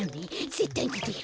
ぜったいにでる。